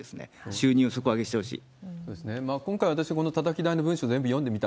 収入底上げしてほしい。